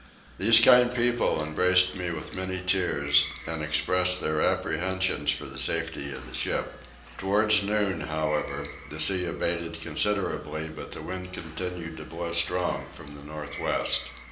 These kind people embraced me with many tears and expressed their apprehensions for the safety of the ship. Towards noon however the sea abated considerably, but the wind continued to blow strong from the north west.